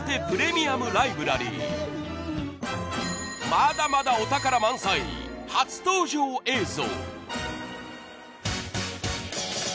まだまだお宝満載初登場映像